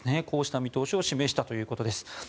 こうした見通しを示したということです。